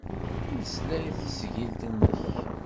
Nesla i tesgilt-nnek.